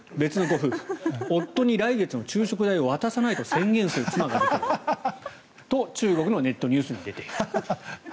夫に来月の昼食代を渡さないと宣言する妻がいたと中国のネットニュースに出ていた。